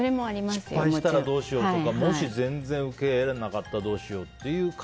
失敗したらどうしようとかもし全然ウケなかったらどうしようっていう。